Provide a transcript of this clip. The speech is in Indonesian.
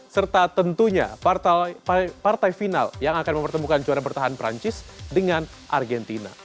serta tentunya partai final yang akan mempertemukan juara bertahan perancis dengan argentina